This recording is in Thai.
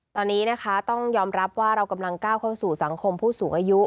ตอนนี้นะคะต้องยอมรับว่าเรากำลังก้าวเข้าสู่สังคมผู้สูงอายุ